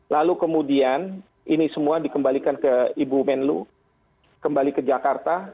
lalu kemudian ini semua dikembalikan ke ibu menlu kembali ke jakarta